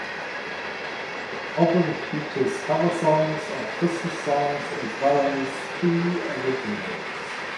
The album features cover songs of Christmas songs as well as two originals.